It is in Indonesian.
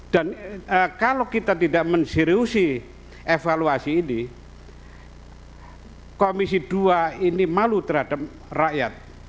dan kalau kita tidak menseriusi evaluasi ini komisi dua ini malu terhadap rakyat